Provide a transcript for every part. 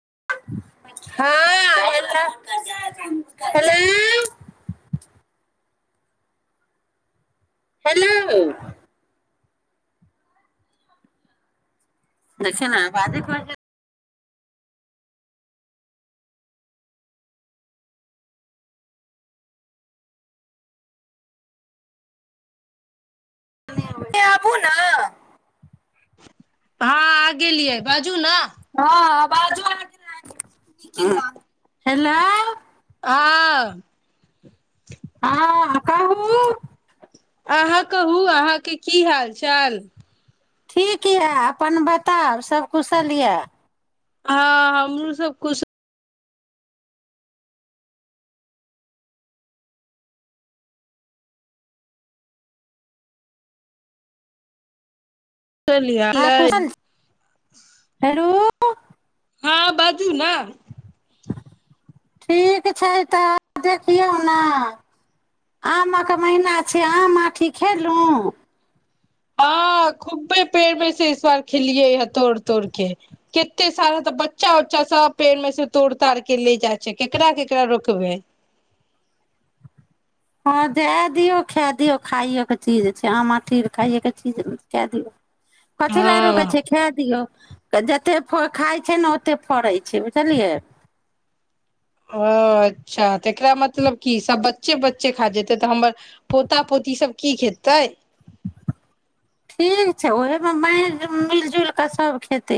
हँ hello hello hello देखियौ न अबाजे कट जाय ओते आबू ने हँ आ गेलियै बाजू ने हँ अबाजो अहाँ के नै आबै हेलो हँ हँ कहूं अहाँ कहू अहाँके की हाल चाल ठीक यए अपन बताउ सभकुशल यए हँ हमरो सब खुश अहाँ कुशलियै कुशल हेरो हँ बाजू ने ठीक छै तऽ देखियौ न आमक महीना छै आम आठी खेलुं हँ खुब्बे पेड़ मे से इस बार खेलियै हे तोड़ तोड़ के केते सारा तऽ बच्चा उच्चा सब पेड़ मे से तोड़ ताड़ के ले जाइ छै केकरा केकरा रोकबै हँ दए दियौ खाए दियौ खाइके चीज छै आम आठी खाइएके चीज खा दियौ कथी लए रो कै हँ छै खे दियौ तऽ जतेक फ खाइ छै ने ओतेक फड़ै छै बुझलियै ओ अच्छा तऽ एकरा मतलब की सभ बच्चे बच्चे खा जेतै तऽ हमर पोता पोती सब की खेतै ठीक छै ओहमे माँहि मिलि जुलि कऽ सभ खेतै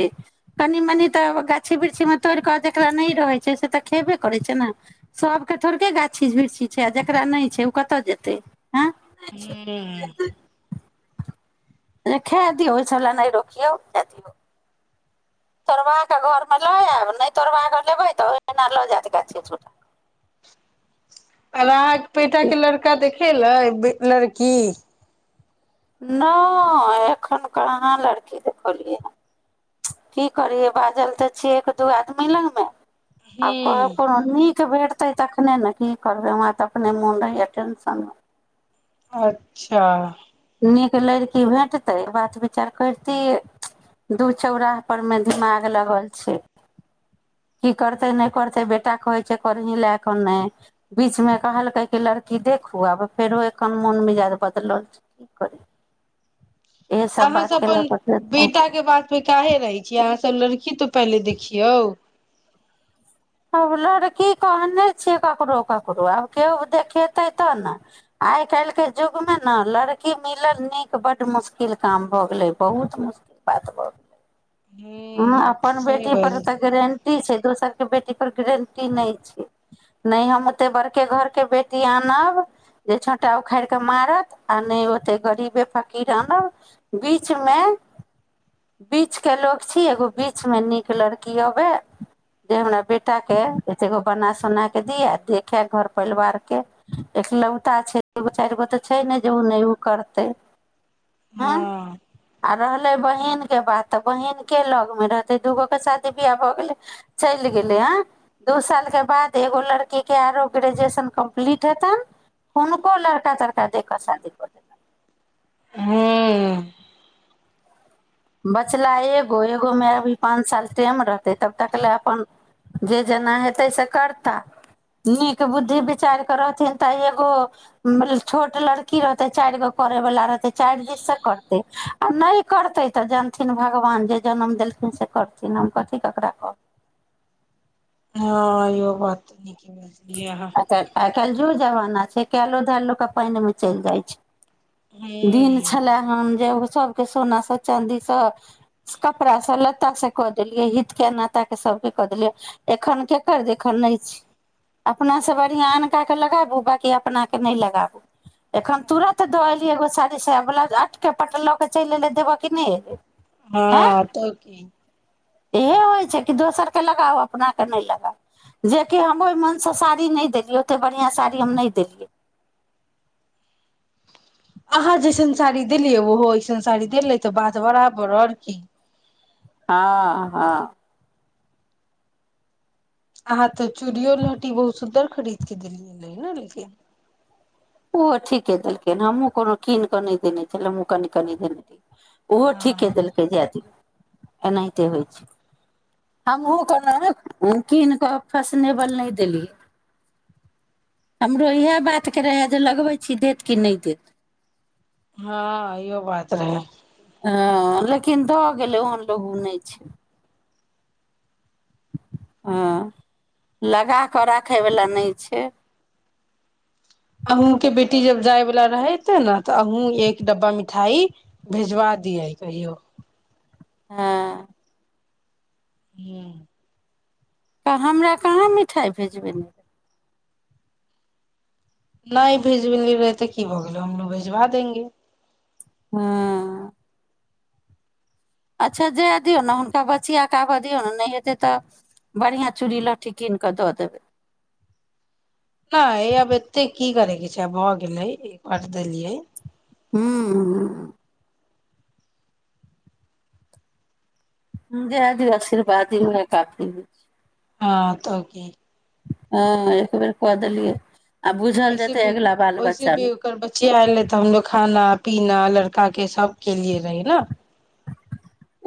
कनि मनि तऽ गाछी वृक्षीमे तोड़ि कऽ जकरा नहि रहै छै से तऽ खेबे करै छै ने सभके थोड़केे गाछी बिरछी छै आ जकरा नहि छै ओ कतय जेतै आँय ह खा दियौ ओइसब लए नहि रोकियौ द तोड़वा कऽ घरमे लऽ आयब नहि तोड़वा कऽ लेबै तऽ ओहिना लऽ जायत गाछी छूटा अला बेटा के लड़का देख खेलै लड़की नहि एखन कहाँ लड़की देखौलियै ह की करियै बाजल तऽ छियै एक दू आदमी लगमे आब को हूँ कोनोन् नीक भे तै तखने ने की करबै हमरा त अपने मोन रहैया टेंशनमे अच्छा नीक लड़की भेटतै बात विचार करितियै दू चौराह पर मे दिमाग लगल छै की करतै नहि करतै बेटा कहै छै करही लए कऽ नहि बीचमे कहलकै कि लड़की देखू आब फेरो एखन मोन मिजाद बदलल छै की करी इहे तऽ अहाँ सब बात के लऽ अपन कऽ टेंशन बेटा के बात प काहे रहै छियै अहाँ सब लड़की तो पहिले देखियौ आब लड़की कहने छियै ककरो ककरो आब केओ देखेतै तब ने आइ काल्हिके युगमे ने लड़की मिलल नीक बड्ड मुश्किल काम भऽ गेलै बहुत मुश्किल बात भऽ गेलै हं हूँ अपन सही बेटी बाज पर तऽ गारंटी छै दोसर के बेटी पर गारंटी नहि छै ने हम ओते बड़के घर के बेटी आनब जे छोटा उखाड़ के मारत आ नहि ओते गरीबे फकीर आनब बीच मे बीच के लो छी एगो बीचमे नीक लड़की अबय जे हमरा बेटाकेँ एतेकगो बना सोना कऽ दि देखय घर परिवारके एक लौता छै एगो चारि गो तऽ छै नहि जे ओ नहि ओ करतै हँ आ रहलै बहिन के बात तऽ बहिन के लगमे रहतै दूगोके शादी ब्याह भऽ गेलै चलि गेलै हँ दू सालके बाद एगो लड़कीके आरो ग्रेजुएशन कम्प्लीट हेतनि हुनको लड़का तड़का दे कऽ शादी कऽ देतनि हूँ बचला एगो एगोमे अभी पाँच साल टाेम रहतै तब तकले अपन जे जेना हेतै से करता नीक बुद्धि विचारि कऽ रहथिन तऽ एगो छोट लड़की रहतै चारि गो करैवला रहतै चारि दिससँ करतै आ नहि करतै तऽ जानथिन भगवान जे जनम देलखिन से करथिन हम कथी ककरा कहब हँ यहो बात न अच्छा आइ कालि जुग जबना छै से कयलो धायल लोक के पानि मे चलि जाइ छै दिन हूँ छलै हन जे सभके सोनाँ चाँदीसँ कपड़ासँ लत्तासँ कऽ देलियै हितके एनाताके सभके कऽ देलियै एखन केकर देखन नहि छै अपनासँ बढ़िआँ अनका के लगाबू बकी अपनाके नहि लगाबू एखन तुरत दऽ साड़ी साया बलाउज अट के पट लऽ के चलिे देब कि नहि हँ तब की इएह होइ छै कि दोसरकेँ लगाउ अपनाके नहि लगाउ जेकि हम ओहि मोनसँ साड़ी नहि देलियै ओतेक बढ़िआँ साड़ी हम नहि देलियै अहाँ जैसन साड़ी देलियै ओहो अइसन साड़ी देलै तऽ बात बराबर आर की हँ हँ अहाँ तऽ चूड़ियो लहठी बहुत सुन्दर खरीद के देलियै रहे ने लेकिन ओ ठीके देलखिन हमहुँ कोनो कीन कऽ नहि देने छल हमँ कनी कनी देने छल ओहो ठीके हँ दिलके जे अ एनाहिते होइ छै हमहुँ कोनो कीन कऽ फैसनेबल नहि देलियै हमरो इह बात के रहे जे लगबै छी देत कि नहि देत हँ इहो बात रहै ह लेकिन धऽ गेलै ओहन लोग नहि छै हँ लगा कऽ राखयवला नहि छै अहूँके बेटी जब जायवला रहेते ने तऽ अहूँ एक डब्बा मिठाई भेजवा दियै कहियो हँ हू तऽ हमरा कहाँ मिठाइ भेजबे नहि नहि भेज रहै ते की भ गेल हमलोग भेजवा देेंगे हँ अच्छा जाए दियौ ने हुनका बचिया कऽ आबय दियौ ने नहि हेतै तऽ बढ़िआँ चूड़ी लहठी कीनि कऽ दऽ देबै नहि आब एतेक की करयके छै आब भऽ गेलै ई कटि देलियै हू जेए दीयौ आशीर्वाद ही ह काफी ह तकी हँ एक बेर क देलियै आ बुझल ऐसे जेतै भी अगिला बाल वैसे भी बच्चामे ओकर बच्चीया आयले तऽ हमलोग खाना पीना लड़का के सबके लिए रहै ने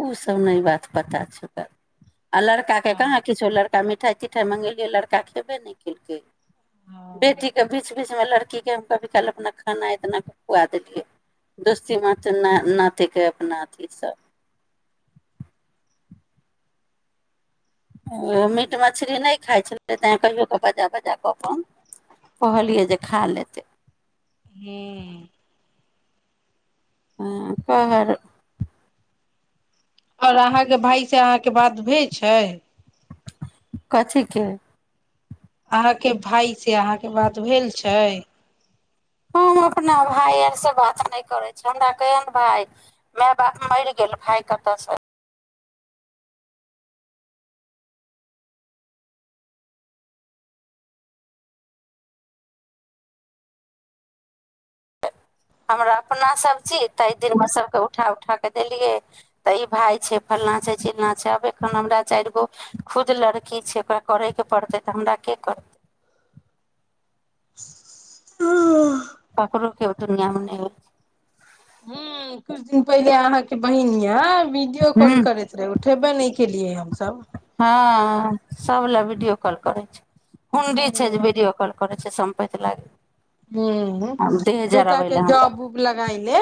उसभ नहि बात पता छै कर आ लड़का के हँ कहाँ किछो लड़का लड़का मिठाइ तिठाइ मङ्गेलियै लड़का खयबे नहि कयेलकै बेटीकेँ बीच बीचमे लड़कीकेँ हम कभी काल अपना खाना इतना खुआ देलियै दोस्ती माथ न नातयके अपना अथिसँ मीट मछली नहि खाइ छलै तैँ कहिओ कऽ बजा बजा कऽ अपन कहलियै जे खा लेतै हू हँ कहर आओर अहाँके भाय से अहाँके बात हो छै कथि के अहाँके भायसँ अहाँके बात भेल छै हम अपना भाय अरसँ बात नहि करै छिय हमरा कहियनि भाय माय बाप मरि गेल भाय कतयसँ हमरा अपनासभ छी ताहि दिनमे सभकेँ उठा उठा कऽ देलियै तऽ ई भाय छै फल्लाँ छै चिल्लाँ छै आब एखन हमरा चारि गो खुद लड़की छै ओकरा करयके पड़तै तऽ हमरा के करतै हूँ ककड़ो के ओ दूनिया मे नहि होय छै कुछ दिन पहिले अहाँके बहिनया वीडियो छै कॉल हूँ करैत रहे उठेबे नहि केलियै हमसब ह सब ले वीडियो कॉल करै छै हुंडी छै हूँ जे भीडियो कॉल करै छै पैत लागै ह बेटा के लए हमरा जॉब उब लगाय ले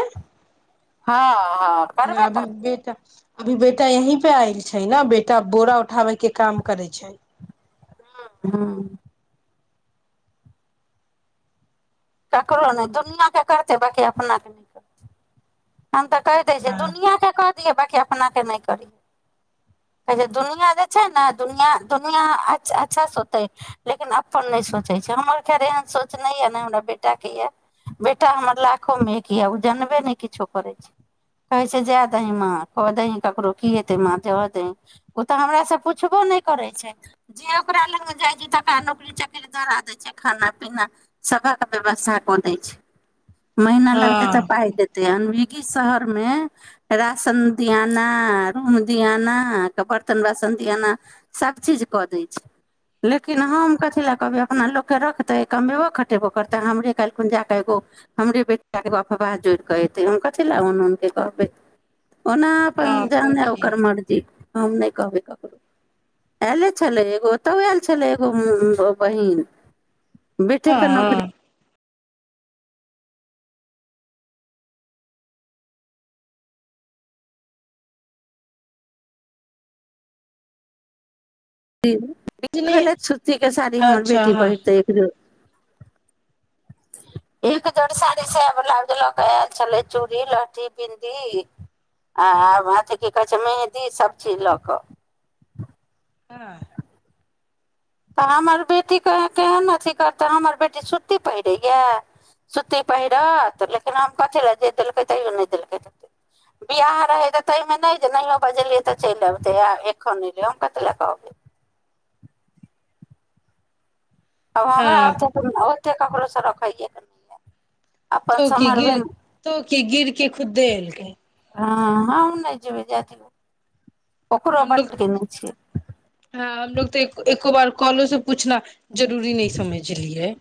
हँ हँ करबे अभी करतै बेटा अभी बेटा यहीं पे आयल छै ने बेटा बोरा उठाबे के काम करै छै हँ हँ ककरो नहि दुनिआँकेँ करतै बांकी अपनाके नहि करतै अ त कहि दै छै हँ दुनिया के कह दिय बांकि अपन के नहि करिय कहै छै दुनिया जे छै ने दुनि दुनिया अच्छा सोचतै लेकिन अपन नहि सोचै छै हमर खैर एहन सोच नहि य नहि हमरा बेटाके यऽ बेटा हमर लाखो मे एक यऽ ओ जनबे नहि किछो करै छै कहै छै जाए दही माँ कऽ दही ककरो की हेतै माँ दय दही ओ तऽ हमरासँ पुछबो नहि करै छै जे ओकरा लगमे जाइ छै तकरा नौकरी चाकरी धरा दै छै खाना पीना सभक व्यवस्था कऽ दै छै महिना लगतै तऽ हँ पा देतै अ ी शहर में राशन दियाना रूम दियाना बर्तन बासन दियाना सब चीज क दे छै लेकिन हम कथी लए कहबे अपना लोक के रखते कमेबो खटेबो करते हमरे काल्खुन जाके एगो हमरे बेटा के एगो अफवाह जोड़ के एते हम च उके कहबै ओना हँ जेहन तो नहि की अकर मज्री हम नहि कहबै ककरो आयले छलै एगो ओतहु आयल छलै एगो बहिन बेटे हँ क नौकरी हँ, भेलथि छुतीके साड़ी हमर अच्छा बेटी हँ पहिरतै एक जोर एक जोड़ साड़ी साया ब्लाउज लऽ कऽ आयल छलै चूड़ी लहठी बिदीं आ अथी की कहै छै मेहंदी सभचीज लऽ कऽ हँ तऽ हमर बेटीके केहन अथी करतै हमर बेटी सूती पहिरैए सूती पहिरत लेकिन हम कथी लए जे देलकै तै नहि देलकैत बियाह रहै तऽ ताहिमे नहि जे नहिओ बजेलियै तऽ चलि अबतै आ एखन नहि अलियै हम कथी लए कहबै आ हमरा हँ आ ककरो स रखाइए क नहिै तो कि गिर तो की गिरके खुददे एलके हँ हँ हम नहि जै जा हमलोग हँ हमलोग तऽ एको बार कॉलो से पूछना जरूरी नहि समझलियऐ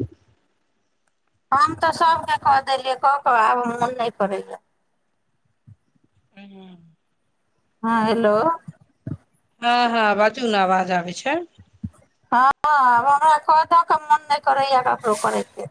हम तऽ सभके कऽ देलियै कऽ कऽ आब मोन नहि करैएा ह हँ हेलो हँ हँ बाजू ने आवाज आ छै हँ हमरा को मोन नहि करैएा ककरो करयके